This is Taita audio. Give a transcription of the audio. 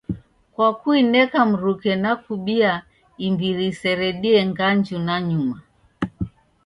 Kwa kuineka mruke na kubia imbiri iseredie nganju nanyuma